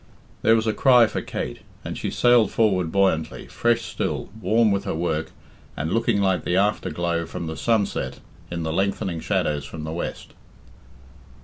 There was a cry for Kate, and she sailed forward buoyantly, fresh still, warm with her work, and looking like the afterglow from the sunset in the lengthening shadows from the west.